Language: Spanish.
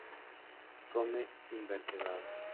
Come invertebrados.